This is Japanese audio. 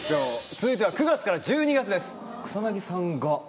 続いては９月から１２月です。